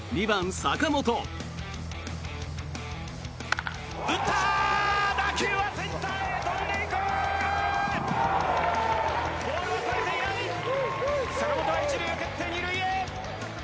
坂本が１塁を蹴って２塁へ。